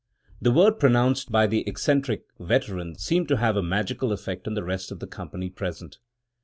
The word pronounced by the eccentric veteran seemed to have a magical effect on the rest of the company present.